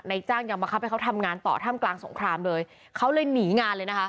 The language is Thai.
จ้างยังบังคับให้เขาทำงานต่อท่ามกลางสงครามเลยเขาเลยหนีงานเลยนะคะ